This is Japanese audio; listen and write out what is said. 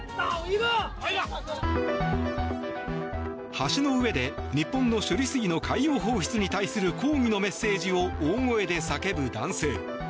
橋の上で、日本の処理水の海洋放出に対する抗議のメッセージを大声で叫ぶ男性。